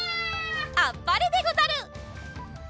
あっぱれでござる！